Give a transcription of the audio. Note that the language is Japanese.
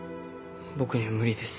僕には無理です。